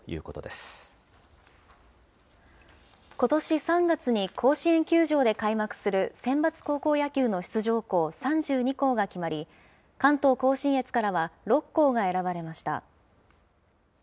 ことし３月に甲子園球場で開幕する選抜高校野球の出場校３２校が決まり、関東甲信越からは６校が選ばれました。